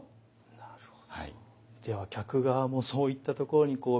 なるほど。